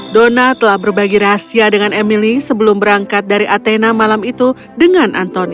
dona telah berbagi rahasia dengan emily sebelum berangkat dari athena malam itu dengan antoni